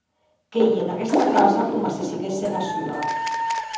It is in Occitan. Qu’ei en aguesta casa coma se siguesse ena sua.